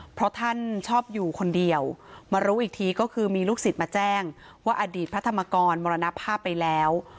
เพราะท่านชอบอยู่คนเดียวมารู้อีกทีก็คือมีลูกศิษย์มาแจ้งว่าอดีตพระธรรมกรมรณภาพไปแล้ว